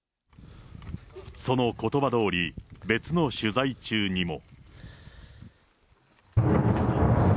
そのことばどおり、別の取材中にも。